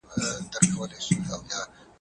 انا د هلک ستونی نیولی و.